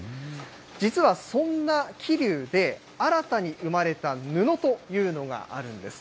実は、そんな桐生で、新たに生まれた布というのがあるんです。